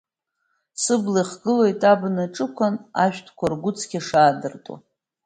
Сыбла ихгылоит абна аҿықәан, ашәҭқәа ргәы цқьа шадыртуа.